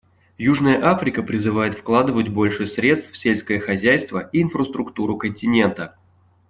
Южная Африка призывает вкладывать больше средств в сельское хозяйство и инфраструктуру континента.